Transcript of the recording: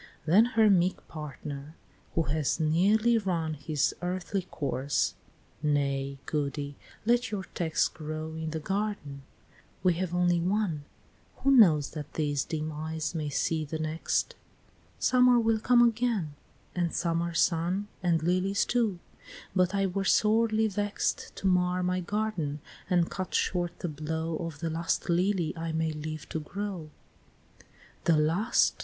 Then her meek partner, who has nearly run His earthly course, "Nay, Goody, let your text Grow in the garden. We have only one Who knows that these dim eyes may see the next? Summer will come again, and summer sun, And lilies too, but I were sorely vext To mar my garden, and cut short the blow Of the last lily I may live to grow," IX. "The last!"